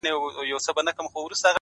ژړا مي وژني د ژړا اوبـو تـه اور اچـوي.!